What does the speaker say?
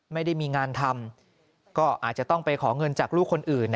ไม่ได้มีงานทำก็อาจจะต้องไปขอเงินจากลูกคนอื่น